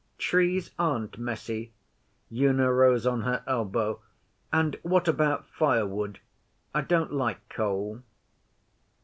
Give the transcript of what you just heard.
'Trees aren't messy.' Una rose on her elbow. 'And what about firewood? I don't like coal.